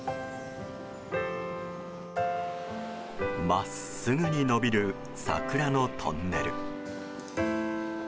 まっすぐに延びる桜のトンネル。